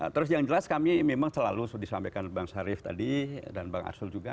terus yang jelas kami memang selalu disampaikan bang syarif tadi dan bang arsul juga